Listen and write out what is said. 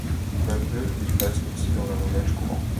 Peu à peu, il passe aussi dans le langage courant.